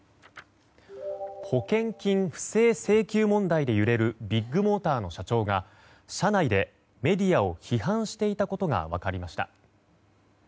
保険金不正請求問題で揺れるビッグモーターの社長が社内でメディアを批判していたことが分かりました。